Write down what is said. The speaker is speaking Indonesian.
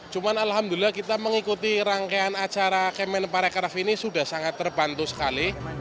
cuman alhamdulillah kita mengikuti rangkaian acara kemen parekraf ini sudah sangat terbantu sekali